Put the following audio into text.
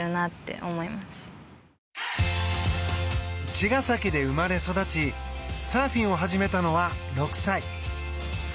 茅ヶ崎で生まれ育ちサーフィンを始めたのは６歳。